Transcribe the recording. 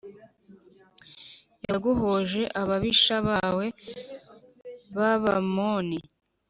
yaguhoje ababisha bawe b Abamoni